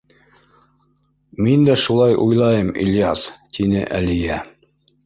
— Мин дә шулай уйлайым, Ильяс, — тине Әлиә.